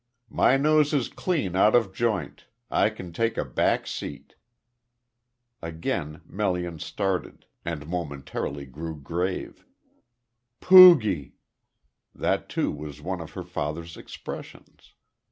My nose is clean out of joint. I can take a back seat." Again Melian started, and momentarily grew grave. "Poogie." That too was one of her father's expressions.